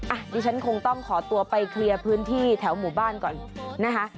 ดิฉันคงต้องขอตัวไปเคลียร์พื้นที่แถวหมู่บ้านก่อนนะคะ